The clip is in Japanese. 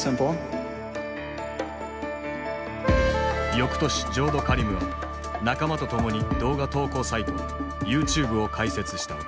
翌年ジョード・カリムは仲間と共に動画投稿サイトＹｏｕＴｕｂｅを開設した。